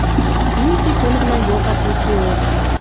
Изи пӹлвлӓ йогат юкдеок.